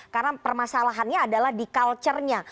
karena permasalahannya adalah di culture nya